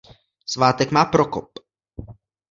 Svátek má Prokop.